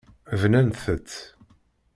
Bnant-tt.